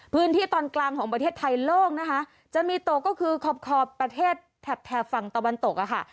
พื้นที่ตอนกลางของประเทศไทยโล่งนะคะจะมีตกก็คือขอขอบประเทศแถบแถบฝั่งตะวันตกอะค่ะ